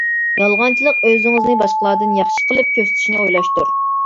يالغانچىلىق ئۆزىڭىزنى باشقىلاردىن ياخشى قىلىپ كۆرسىتىشنى ئويلاشتۇر.